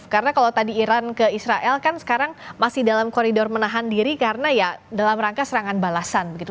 karena kalau tadi iran ke israel kan sekarang masih dalam koridor menahan diri karena ya dalam rangka serangan balasan begitu